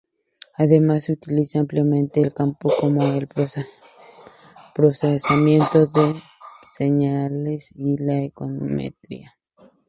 Además, se utiliza ampliamente en campos como el procesamiento de señales y la econometría.